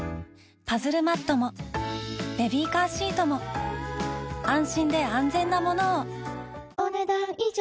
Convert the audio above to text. パズルマットもベビーカーシートも安心で安全なものをお、ねだん以上。